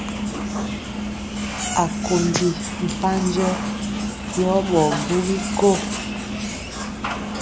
Akondi mpanjɔ yɔ ɓɔɔ bugi ko.